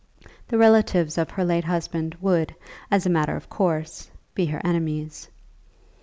The relatives of her late husband would, as a matter of course, be her enemies.